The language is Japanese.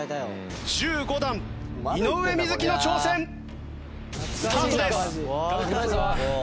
「１５段井上瑞稀の挑戦スタートです」